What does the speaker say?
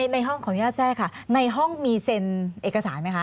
ในห้องของย่าแทรกค่ะในห้องมีเซ็นเอกสารไหมคะ